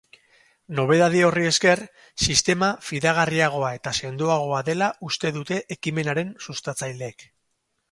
Nobedade horri esker, sistema fidagarriagoa eta sendoagoa dela uste dute ekimenaren sustatzaileek.